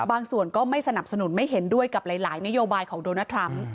ส่วนก็ไม่สนับสนุนไม่เห็นด้วยกับหลายนโยบายของโดนัททรัมป์